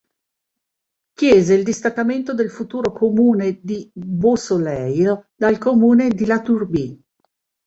Chiese il distaccamento del futuro comune di Beausoleil, dal comune di La Turbie.